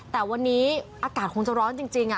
แต่วันนี้อากาศคงจะร้อนจริง